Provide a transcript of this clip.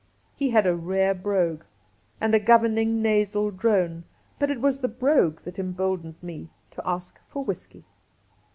He had a rare brogue and a governing nasal drone, but it was the brogue that emboldened me to ask for whisky.